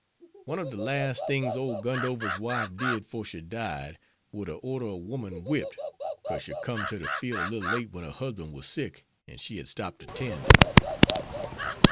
One ob de las' things ole Gundover's wife did 'fore she died war to order a woman whipped 'cause she com'd to de field a little late when her husband war sick, an' she had stopped to tend him.